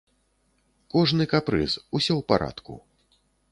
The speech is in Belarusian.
Кожны капрыз, усё ў парадку.